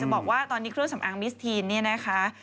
บอกว่าตอนนี้เครื่องสำอางมิสทีนเนี่ยนะคะ